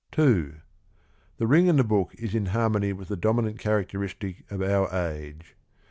2. The Ring and the Book is in harmony with the dominant characteristic of our age.